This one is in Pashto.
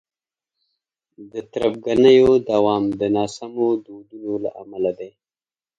د تربګنیو دوام د ناسمو دودونو له امله دی.